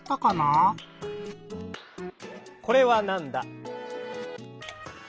「これはなんだ？」。